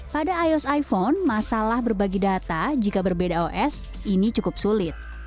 pada ios iphone masalah berbagi data jika berbeda os ini cukup sulit